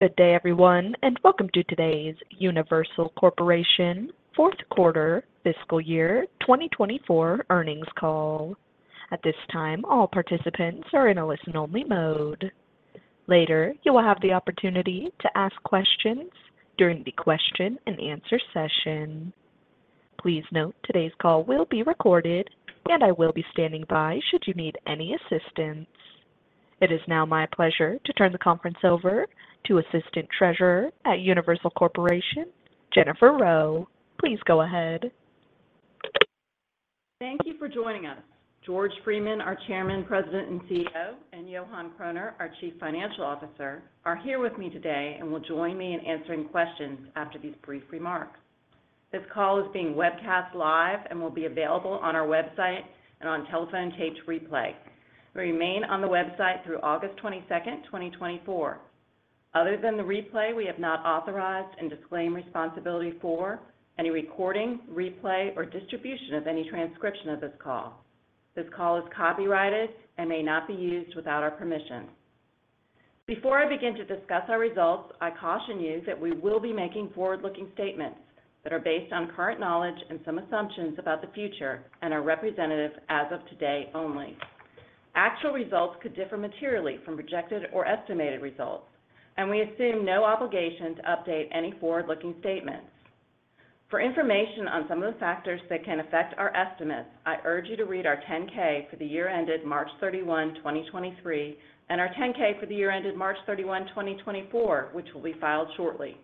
Good day, everyone, and welcome to today's Universal Corporation fourth quarter fiscal year 2024 earnings call. At this time, all participants are in a listen-only mode. Later, you will have the opportunity to ask questions during the question and answer session. Please note, today's call will be recorded, and I will be standing by should you need any assistance. It is now my pleasure to turn the conference over to Assistant Treasurer at Universal Corporation, Jennifer Rowe. Please go ahead. Thank you for joining us. George Freeman, our Chairman, President, and CEO, and Johan Kroner, our Chief Financial Officer, are here with me today and will join me in answering questions after these brief remarks. This call is being webcast live and will be available on our website and on telephone taped replay. It will remain on the website through August 22nd, 2024. Other than the replay, we have not authorized and disclaim responsibility for any recording, replay, or distribution of any transcription of this call. This call is copyrighted and may not be used without our permission. Before I begin to discuss our results, I caution you that we will be making forward-looking statements that are based on current knowledge and some assumptions about the future and are representative as of today only. Actual results could differ materially from projected or estimated results, and we assume no obligation to update any forward-looking statements. For information on some of the factors that can affect our estimates, I urge you to read our 10-K for the year ended March 31, 2023, and our 10-K for the year ended March 31, 2024, which will be filed shortly.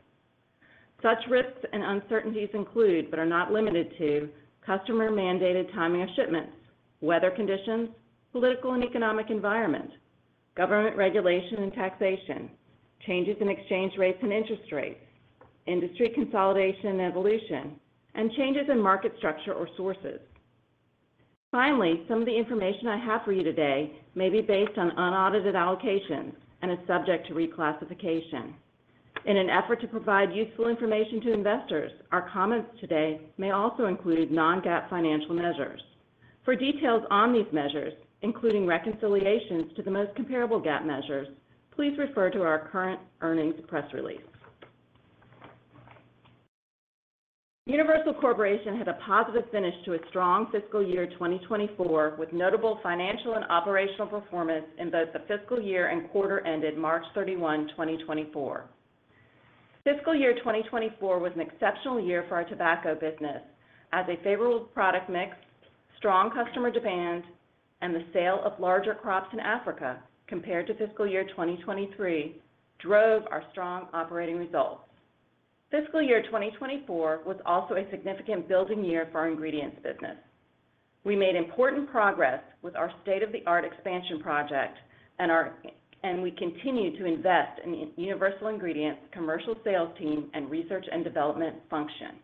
Such risks and uncertainties include, but are not limited to, customer-mandated timing of shipments, weather conditions, political and economic environment, government regulation and taxation, changes in exchange rates and interest rates, industry consolidation and evolution, and changes in market structure or sources. Finally, some of the information I have for you today may be based on unaudited allocations and is subject to reclassification. In an effort to provide useful information to investors, our comments today may also include non-GAAP financial measures. For details on these measures, including reconciliations to the most comparable GAAP measures, please refer to our current earnings press release. Universal Corporation had a positive finish to its strong fiscal year 2024, with notable financial and operational performance in both the fiscal year and quarter ended March 31, 2024. Fiscal year 2024 was an exceptional year for our tobacco business as a favorable product mix, strong customer demand, and the sale of larger crops in Africa compared to fiscal year 2023 drove our strong operating results. Fiscal year 2024 was also a significant building year for our ingredients business. We made important progress with our state-of-the-art expansion project and we continue to invest in Universal Ingredients commercial sales team and research and development function.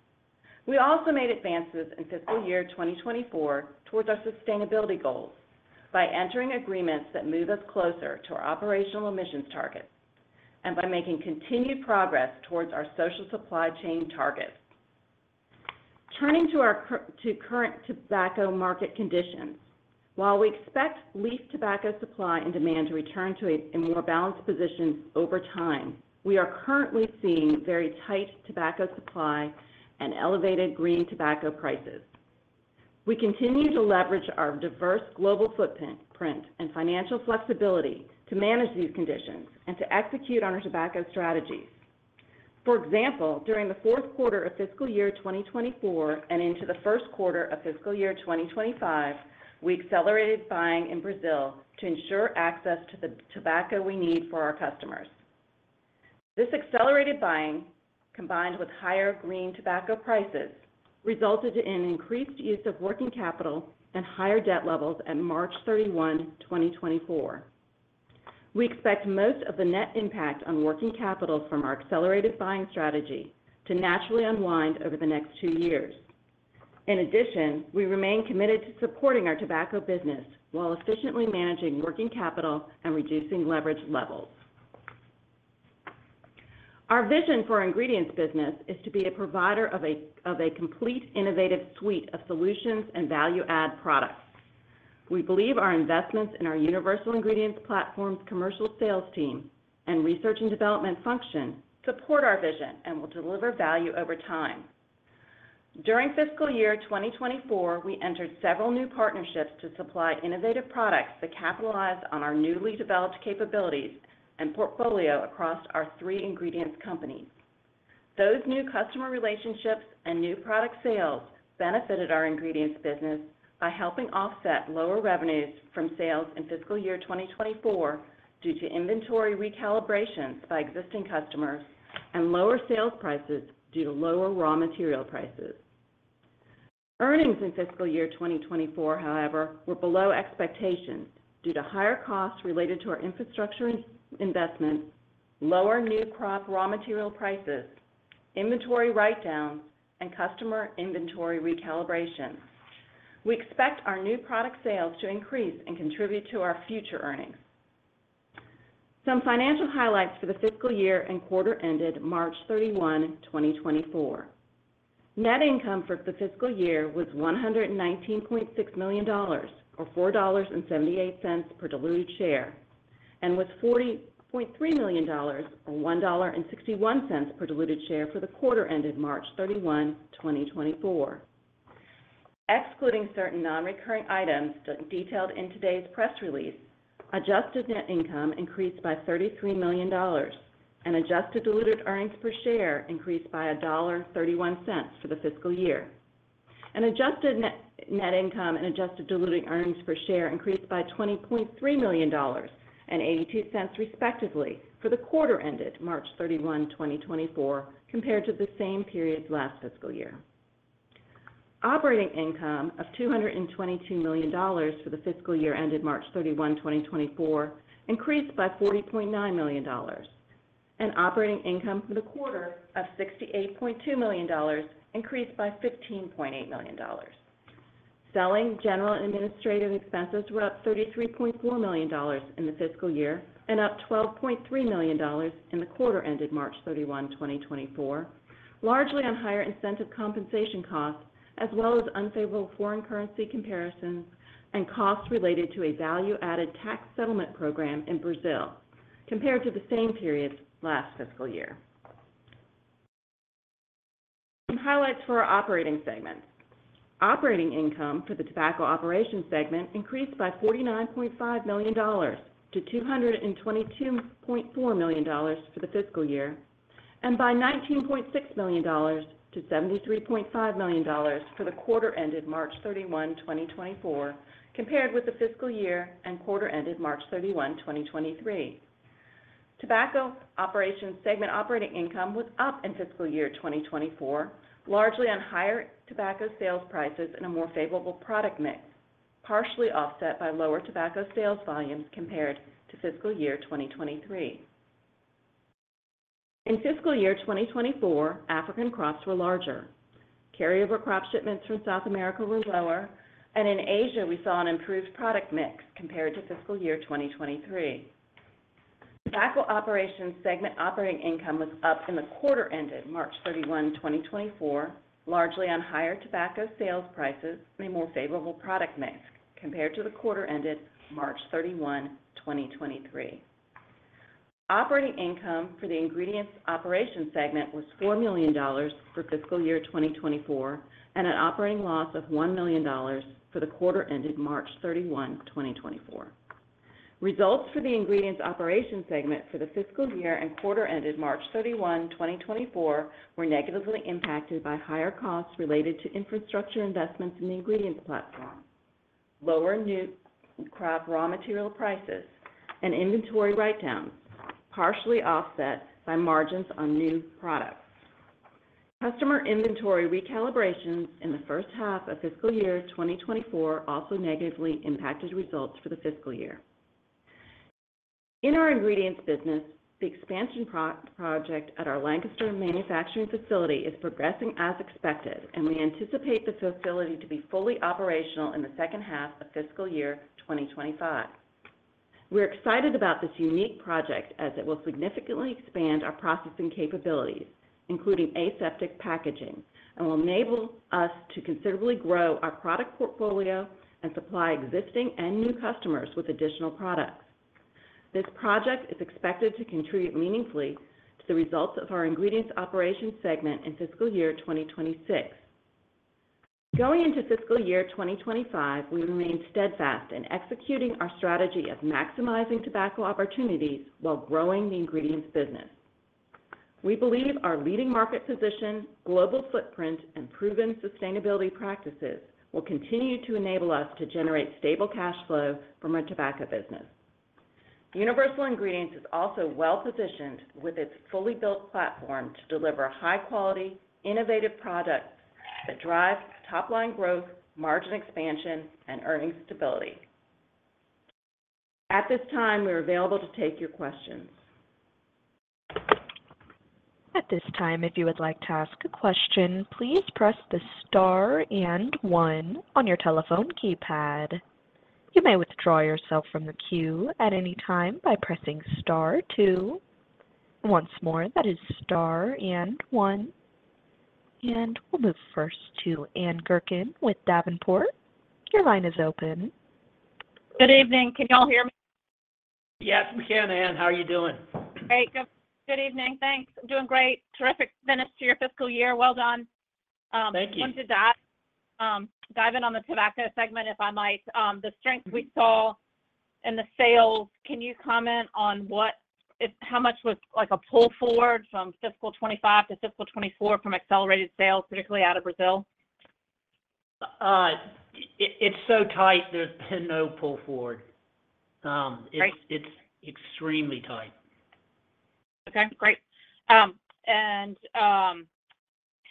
We also made advances in fiscal year 2024 towards our sustainability goals by entering agreements that move us closer to our operational emissions targets and by making continued progress towards our social supply chain targets. Turning to our current tobacco market conditions. While we expect leaf tobacco supply and demand to return to a more balanced position over time, we are currently seeing very tight tobacco supply and elevated green tobacco prices. We continue to leverage our diverse global footprint, and financial flexibility to manage these conditions and to execute on our tobacco strategies. For example, during the fourth quarter of fiscal year 2024 and into the first quarter of fiscal year 2025, we accelerated buying in Brazil to ensure access to the tobacco we need for our customers. This accelerated buying, combined with higher green tobacco prices, resulted in increased use of working capital and higher debt levels at March 31, 2024. We expect most of the net impact on working capital from our accelerated buying strategy to naturally unwind over the next two years. In addition, we remain committed to supporting our tobacco business while efficiently managing working capital and reducing leverage levels. Our vision for our ingredients business is to be a provider of a complete innovative suite of solutions and value-add products. We believe our investments in our Universal Ingredients platform's commercial sales team and research and development function support our vision and will deliver value over time. During fiscal year 2024, we entered several new partnerships to supply innovative products that capitalize on our newly developed capabilities and portfolio across our three ingredients companies. Those new customer relationships and new product sales benefited our ingredients business by helping offset lower revenues from sales in fiscal year 2024 due to inventory recalibrations by existing customers and lower sales prices due to lower raw material prices. Earnings in fiscal year 2024, however, were below expectations due to higher costs related to our infrastructure investment, lower new crop raw material prices, inventory write-downs, and customer inventory recalibration. We expect our new product sales to increase and contribute to our future earnings. Some financial highlights for the fiscal year and quarter ended March 31, 2024. Net income for the fiscal year was $119.6 million, or $4.78 per diluted share, and was $40.3 million, or $1.61 per diluted share for the quarter ended March 31, 2024. Excluding certain non-recurring items de-detailed in today's press release, adjusted net income increased by $33 million, and adjusted diluted earnings per share increased by $1.31 for the fiscal year. Adjusted net income and adjusted diluted earnings per share increased by $20.3 million and $0.82, respectively, for the quarter ended March 31, 2024, compared to the same period last fiscal year. Operating income of $222 million for the fiscal year ended March 31, 2024, increased by $40.9 million, and operating income for the quarter of $68.2 million increased by $15.8 million. Selling, general, and administrative expenses were up $33.4 million in the fiscal year and up $12.3 million in the quarter ended March 31, 2024, largely on higher incentive compensation costs, as well as unfavorable foreign currency comparisons and costs related to a value-added tax settlement program in Brazil, compared to the same period last fiscal year. Some highlights for our operating segments. Operating income for the tobacco operations segment increased by $49.5 million to $222.4 million for the fiscal year, and by $19.6 million to $73.5 million for the quarter ended March 31, 2024, compared with the fiscal year and quarter ended March 31, 2023. Tobacco operations segment operating income was up in fiscal year 2024, largely on higher tobacco sales prices and a more favorable product mix, partially offset by lower tobacco sales volumes compared to fiscal year 2023. In fiscal year 2024, African crops were larger. Carryover crop shipments from South America were lower, and in Asia, we saw an improved product mix compared to fiscal year 2023. Tobacco operations segment operating income was up in the quarter ended March 31, 2024, largely on higher tobacco sales prices and a more favorable product mix compared to the quarter ended March 31, 2023. Operating income for the ingredients operations segment was $4 million for fiscal year 2024, and an operating loss of $1 million for the quarter ended March 31, 2024. Results for the ingredients operations segment for the fiscal year and quarter ended March 31, 2024, were negatively impacted by higher costs related to infrastructure investments in the ingredients platform, lower new crop raw material prices, and inventory write-downs, partially offset by margins on new products. Customer inventory recalibrations in the first half of fiscal year 2024 also negatively impacted results for the fiscal year. In our ingredients business, the expansion project at our Lancaster manufacturing facility is progressing as expected, and we anticipate this facility to be fully operational in the second half of fiscal year 2025. We're excited about this unique project, as it will significantly expand our processing capabilities, including aseptic packaging, and will enable us to considerably grow our product portfolio and supply existing and new customers with additional products. This project is expected to contribute meaningfully to the results of our ingredients operations segment in fiscal year 2026. Going into fiscal year 2025, we remain steadfast in executing our strategy of maximizing tobacco opportunities while growing the ingredients business. We believe our leading market position, global footprint, and proven sustainability practices will continue to enable us to generate stable cash flow from our tobacco business. Universal Ingredients is also well-positioned with its fully built platform to deliver high-quality, innovative products that drive top-line growth, margin expansion, and earning stability. At this time, we are available to take your questions. At this time, if you would like to ask a question, please press the star and one on your telephone keypad. You may withdraw yourself from the queue at any time by pressing star two. Once more, that is star and one. And we'll move first to Ann Gurkin with Davenport. Your line is open. Good evening. Can y'all hear me? Yes, we can, Ann. How are you doing? Great. Good, good evening. Thanks. I'm doing great. Terrific finish to your fiscal year. Well done. Thank you. Want to dive in on the tobacco segment, if I might. The strength we saw in the sales, can you comment on what if how much was like a pull forward from fiscal 2025 to fiscal 2024 from accelerated sales, particularly out of Brazil? It's so tight, there's been no pull forward. Great. It's extremely tight. Okay, great.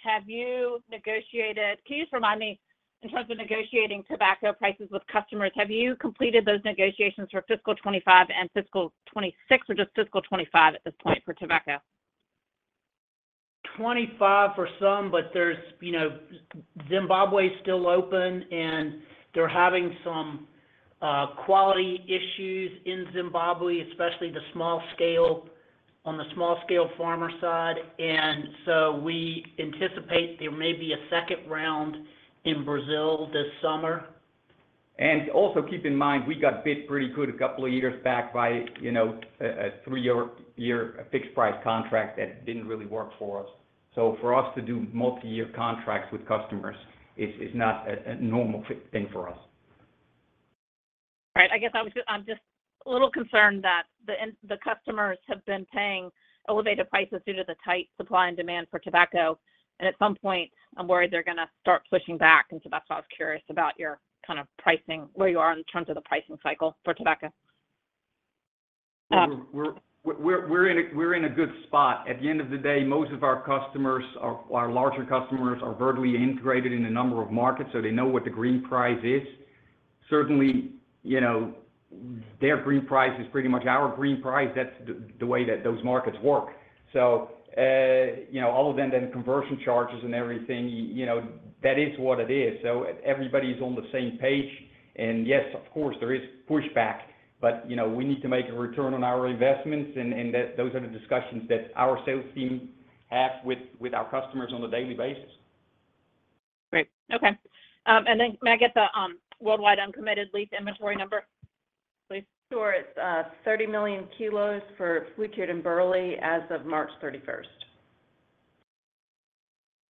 Can you just remind me, in terms of negotiating tobacco prices with customers, have you completed those negotiations for fiscal 2025 and fiscal 2026, or just fiscal 2025 at this point for tobacco? 2025 for some, but there's, you know. Zimbabwe is still open, and they're having some quality issues in Zimbabwe, especially the small scale, on the small scale farmer side. And so we anticipate there may be a second round in Brazil this summer. And also keep in mind, we got bit pretty good a couple of years back by, you know, a three-year fixed price contract that didn't really work for us. So for us to do multi-year contracts with customers is not a normal thing for us. Right. I guess I was, I'm just a little concerned that the customers have been paying elevated prices due to the tight supply and demand for tobacco. And at some point, I'm worried they're gonna start pushing back. And so that's why I was curious about your kind of pricing, where you are in terms of the pricing cycle for tobacco? We're in a good spot. At the end of the day, most of our customers are, our larger customers are vertically integrated in a number of markets, so they know what the green price is. Certainly, you know, their green price is pretty much our green price. That's the way that those markets work. So, you know, other than the conversion charges and everything, you know, that is what it is. So everybody's on the same page. And yes, of course, there is pushback, but, you know, we need to make a return on our investments, and those are the discussions that our sales team have with our customers on a daily basis. Great. Okay. And then may I get the worldwide uncommitted leaf inventory number, please? Sure. It's 30 million kilos for flue-cured and burley as of March 31st.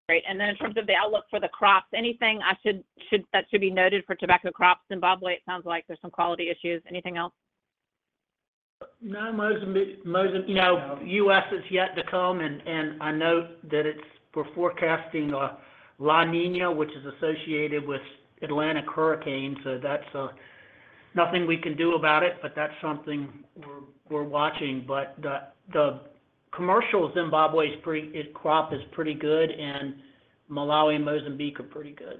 Great. And then in terms of the outlook for the crops, anything I should that should be noted for tobacco crops? Zimbabwe, it sounds like there's some quality issues. Anything else? No, Mozambique, Mozambique—you know, US is yet to come, and I know that it's—we're forecasting a La Niña, which is associated with Atlantic hurricanes, so that's nothing we can do about it, but that's something we're watching. But the commercial Zimbabwe is pretty. Its crop is pretty good, and Malawi and Mozambique are pretty good.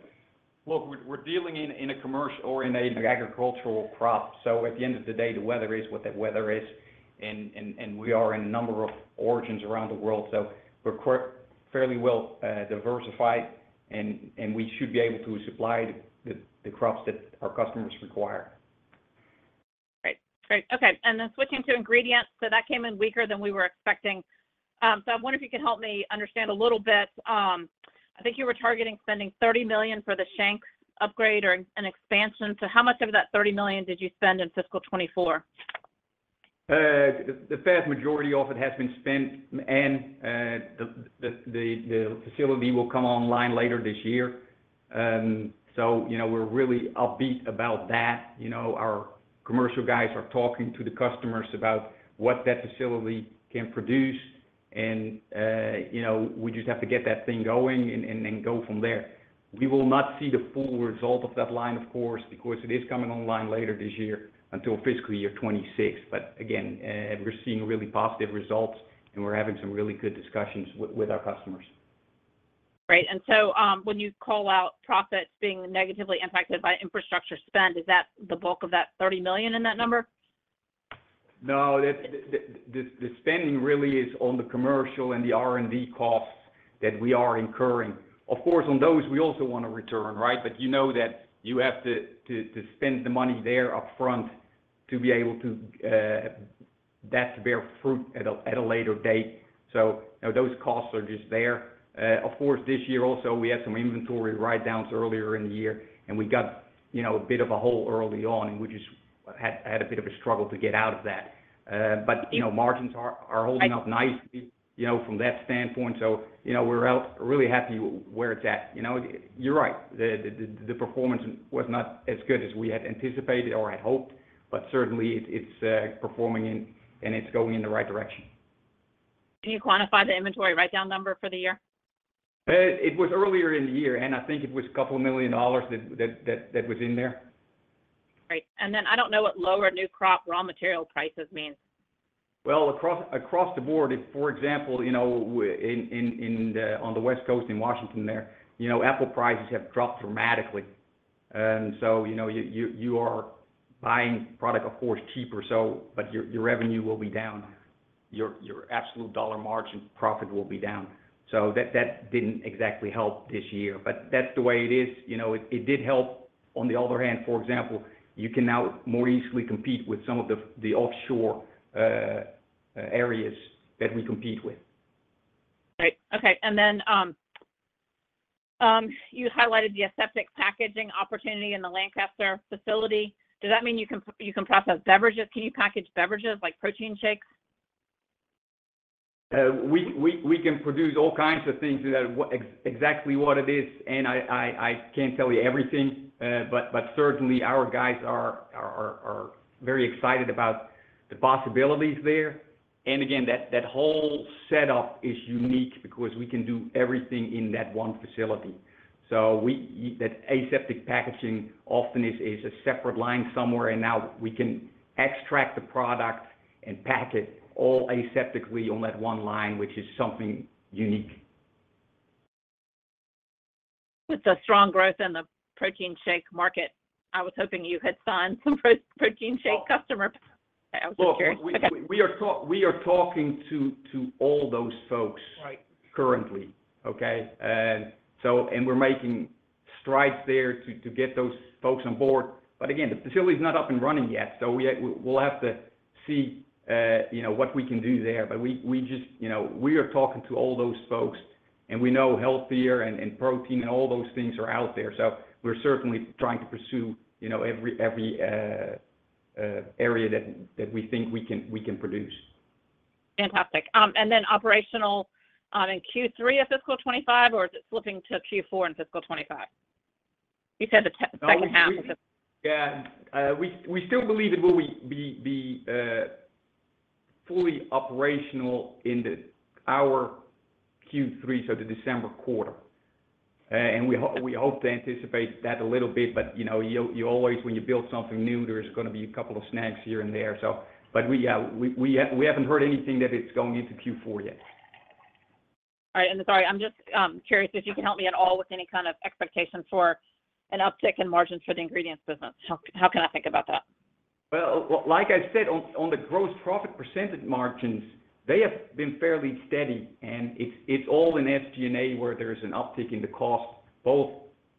Look, we're dealing in a commercial or agricultural crop, so at the end of the day, the weather is what the weather is. And we are in a number of origins around the world, so we're quite fairly well diversified, and we should be able to supply the crops that our customers require. Great. Great. Okay, and then switching to ingredients, so that came in weaker than we were expecting. So I wonder if you could help me understand a little bit. I think you were targeting spending $30 million for the Shank's upgrade or an expansion. So how much of that $30 million did you spend in fiscal 2024? The vast majority of it has been spent, and the facility will come online later this year. And so, you know, we're really upbeat about that. You know, our commercial guys are talking to the customers about what that facility can produce, and you know, we just have to get that thing going and go from there. We will not see the full result of that line, of course, because it is coming online later this year until fiscal year 2026. But again, we're seeing really positive results, and we're having some really good discussions with our customers. Great. And so, when you call out profits being negatively impacted by infrastructure spend, is that the bulk of that $30 million in that number? No, the spending really is on the commercial and the R&D costs that we are incurring. Of course, on those, we also want a return, right? But you know that you have to spend the money there upfront to be able to that to bear fruit at a later date. So, you know, those costs are just there. Of course, this year also, we had some inventory write-downs earlier in the year, and we got, you know, a bit of a hole early on, and we just had a bit of a struggle to get out of that. But, you know, margins are holding up nicely, you know, from that standpoint. So, you know, we're out really happy where it's at. You know, you're right. The performance was not as good as we had anticipated or had hoped, but certainly it's performing and it's going in the right direction. Can you quantify the inventory write-down number for the year? It was earlier in the year, and I think it was $2 million that was in there. Great. I don't know what lower new crop raw material prices means. Well, across the board, if for example you know on the West Coast, in Washington there, you know, apple prices have dropped dramatically. And so, you know, you are buying product of course cheaper, so but your revenue will be down. Your absolute dollar margin profit will be down. So that didn't exactly help this year, but that's the way it is. You know, it did help. On the other hand, for example, you can now more easily compete with some of the offshore areas that we compete with. Great. Okay, and then, you highlighted the aseptic packaging opportunity in the Lancaster facility. Does that mean you can process beverages? Can you package beverages like protein shakes? We can produce all kinds of things. That's exactly what it is, and I can't tell you everything, but certainly, our guys are very excited about the possibilities there. And again, that whole setup is unique because we can do everything in that one facility. So that aseptic packaging often is a separate line somewhere, and now we can extract the product and pack it all aseptically on that one line, which is something unique. With the strong growth in the protein shake market, I was hoping you had signed some protein shake customer. Well, we are talking to all those folks. Right. Currently, okay? So, and we're making strides there to get those folks on board. But again, the facility is not up and running yet, so we, we'll have to see, you know, what we can do there. But we just, you know, we are talking to all those folks, and we know healthier and protein, and all those things are out there. So we're certainly trying to pursue, you know, every area that we think we can produce. Fantastic. And then operational in Q3 of fiscal 2025, or is it slipping to Q4 in fiscal 2025? You said the second half of the? Yeah, we still believe it will be fully operational in our Q3, so the December quarter. And we hope to anticipate that a little bit, but you know, you always, when you build something new, there's gonna be a couple of snags here and there. But we haven't heard anything that it's going into Q4 yet. All right. And sorry, I'm just curious if you can help me at all with any kind of expectations for an uptick in margins for the ingredients business. How can I think about that? Well, like I said, on the gross profit percentage margins, they have been fairly steady, and it's all in SG&A where there's an uptick in the cost, both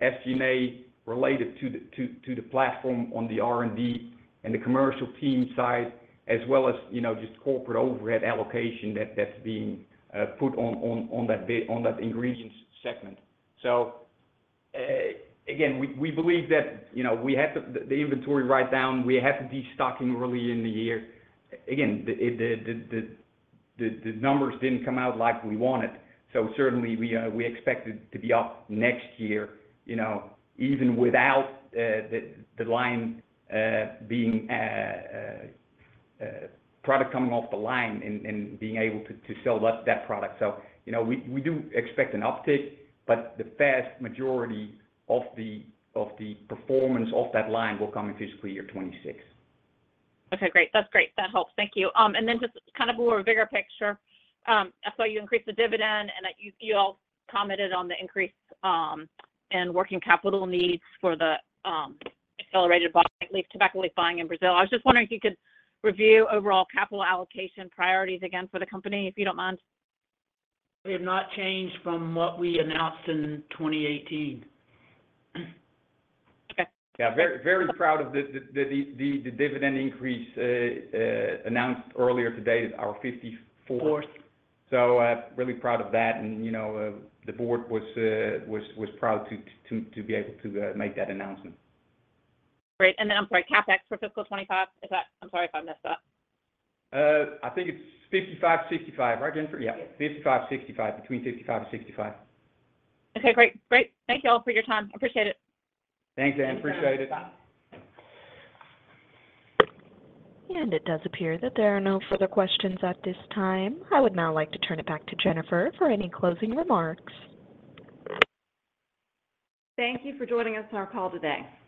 SG&A related to the platform on the R&D and the commercial team side, as well as, you know, just corporate overhead allocation that's being put on that ingredients segment. So, again, we believe that, you know, we had the inventory write down, we had destocking early in the year. Again, the numbers didn't come out like we wanted, so certainly, we expect it to be up next year, you know, even without the line being product coming off the line and being able to sell that product. So, you know, we do expect an uptick, but the vast majority of the performance of that line will come in fiscal year 2026. Okay, great. That's great. That helps. Thank you. And then just kind of more bigger picture, I saw you increase the dividend and that you, you all commented on the increase, in working capital needs for the, accelerated buying, leaf tobacco leaf buying in Brazil. I was just wondering if you could review overall capital allocation priorities again for the company, if you don't mind? We have not changed from what we announced in 2018. Okay. Yeah, very, very proud of the dividend increase announced earlier today is our 54th. Fourth. Really proud of that. You know, the board was proud to be able to make that announcement. Great. Then, I'm sorry, CapEx for fiscal 2025, is that? I'm sorry if I messed up. I think it's 55-65, right, Jennifer? Yes. Yeah, 55, 65, between 55 and 65. Okay, great. Great. Thank you all for your time. I appreciate it. Thanks, Ann. Appreciate it. Bye. It does appear that there are no further questions at this time. I would now like to turn it back to Jennifer for any closing remarks. Thank you for joining us on our call today.